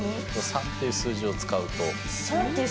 ３っていう数字を使う？